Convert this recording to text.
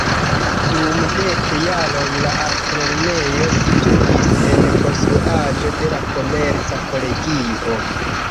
Dum dek jaroj la altlernejo situis en la konstruaĵo de la Komerca Kolegio.